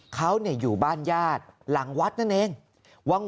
เขาอยู่บ้านญาติหลังวัดนั่นเอง